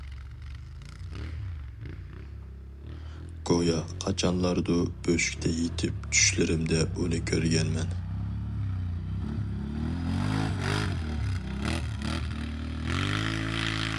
گويا قاچانلاردۇ بۆشۈكتە يېتىپ چۈشلىرىمدە ئۇنى كۆرگەنمەن.